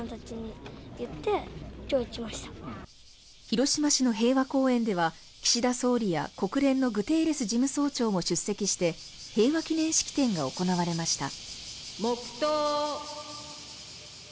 広島市の平和公園では、岸田総理や国連のグテーレス事務総長も出席して平和記念式典が行われました。